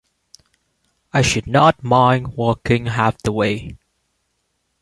I should not mind walking half the way.